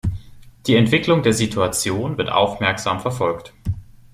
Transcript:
Die Entwicklung der Situation wird aufmerksam verfolgt.